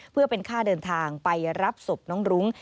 เพื่อเป็นค่าเดินทางไปรับศพน้องรุ้ง